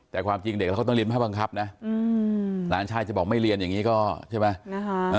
แต่ความจริงเด็กแล้วเขาต้องเรียนภาพบังคับนะหลานชายจะบอกไม่เรียนอย่างนี้ก็ใช่ไหม